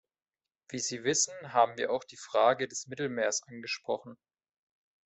Wie Sie wissen, haben wir auch die Frage des Mittelmeers angesprochen.